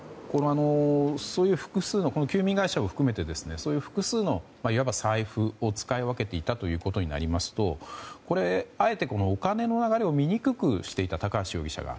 この休眠会社を含めて複数のいわば財布を使い分けていたことになりますとあえてお金の流れを見にくくしていたと高橋容疑者が。